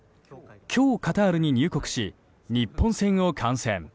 今日、カタールに入国し日本戦を観戦。